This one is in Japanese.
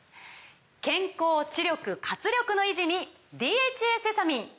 健康・知力・活力の維持に「ＤＨＡセサミン」！